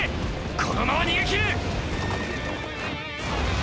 このまま逃げきる！